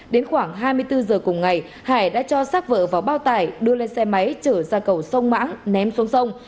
đến khoảng hai mươi bốn giờ cùng ngày hải đã cho sát vợ vào bao tải đưa lên xe máy chở ra cầu sông mãng ném xuống sông